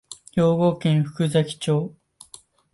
兵庫県福崎町